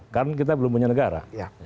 karena kita belum punya negara